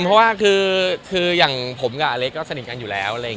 เพราะว่าคืออย่างผมกับอเล็กก็สนิทกันอยู่แล้ว